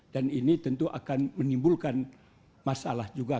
dan ini tentu akan menimbulkan masalah juga